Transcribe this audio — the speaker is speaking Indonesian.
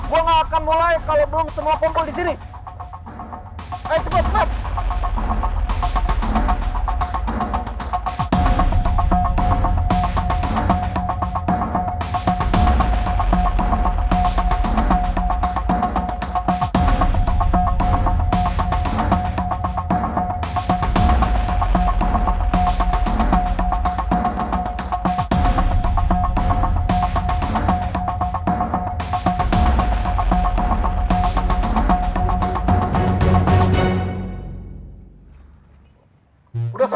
gue gak akan mulai kalau belum semua pampul di sini